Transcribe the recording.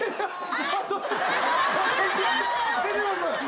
出てます。